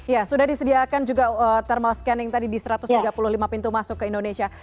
ya sudah disediakan juga thermal scanning tadi di satu ratus tiga puluh lima pintu masuk ke indonesia